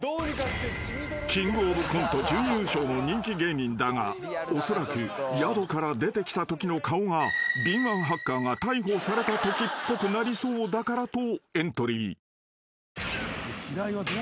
［キングオブコント準優勝の人気芸人だがおそらく宿から出てきたときの顔が敏腕ハッカーが逮捕されたときっぽくなりそうだからとエントリー］